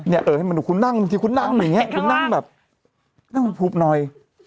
เนี่ยเอ๋ยมันคือคุณนั่งบางทีคุณนั่งแบบนี้คุณนั่งแบบนั่งผูบหน่อย